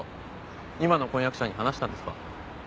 今の婚約者に話したんですか？